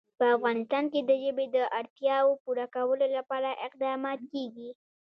په افغانستان کې د ژبې د اړتیاوو پوره کولو لپاره اقدامات کېږي.